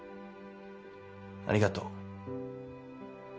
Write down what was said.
ありがとう。